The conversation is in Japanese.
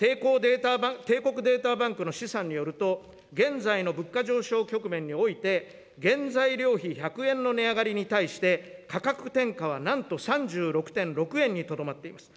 帝国データバンクの試算によると、現在の物価上昇局面において、原材料費１００円の値上がりに対して、価格転嫁はなんと、３６．６円にとどまっています。